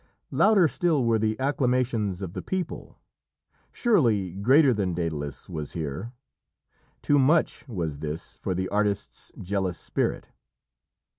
Louder still were the acclamations of the people. Surely greater than Dædalus was here. Too much was this for the artist's jealous spirit.